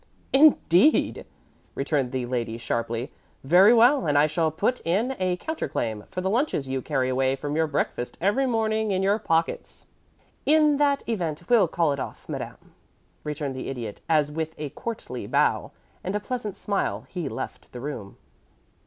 "Indeed!" returned the lady, sharply. "Very well. And I shall put in a counterclaim for the lunches you carry away from breakfast every morning in your pockets." "In that event we'll call it off, madame," returned the Idiot, as with a courtly bow and a pleasant smile he left the room.